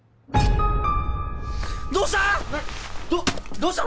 どうした！？